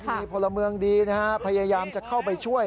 มีพลเมืองดีนะฮะพยายามจะเข้าไปช่วย